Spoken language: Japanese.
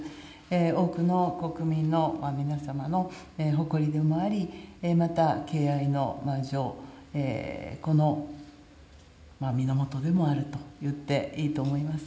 多くの国民の皆様の誇りでもあり、また敬愛の、この源でもあるといっていいと思います。